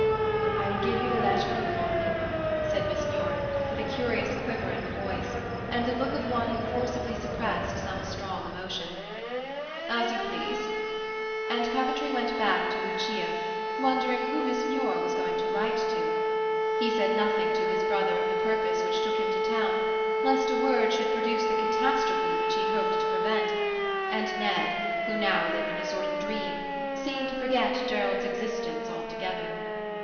"I will give you the letter in the morning," said Miss Muir, with a curious quiver in her voice, and the look of one who forcibly suppressed some strong emotion. "As you please." And Coventry went back to Lucia, wondering who Miss Muir was going to write to. He said nothing to his brother of the purpose which took him to town, lest a word should produce the catastrophe which he hoped to prevent; and Ned, who now lived in a sort of dream, seemed to forget Gerald's existence altogether.